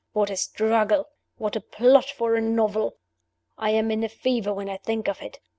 What a struggle! What a plot for a novel! I am in a fever when I think of it.